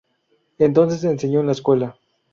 Entonces enseñó en la escuela.